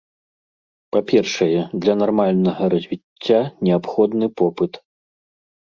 Па-першае, для нармальнага развіцця неабходны попыт.